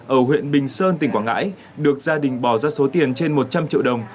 ở huyện bình sơn tỉnh quảng ngãi được gia đình bỏ ra số tiền trên một trăm linh triệu đồng